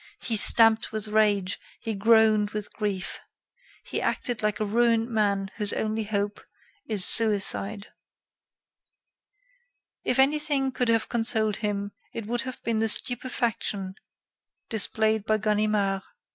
He stamped with rage; he groaned with grief. He acted like a ruined man whose only hope is suicide. If anything could have consoled him, it would have been the stupefaction displayed by Ganimard.